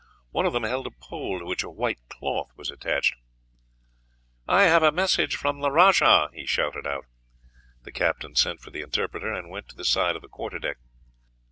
One of them held a pole to which a white cloth was attached. "I have a message from the rajah," he shouted out. The captain sent for the interpreter, and went to the side of the quarterdeck.